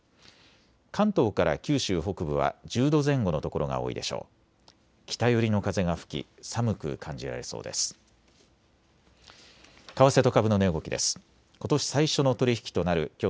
関東から九州北部は１０度前後の所が多いでしょう。